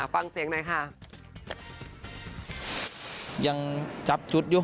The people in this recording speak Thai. ฟังเสียงหน่อยค่ะ